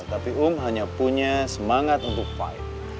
tapi um hanya punya semangat untuk fight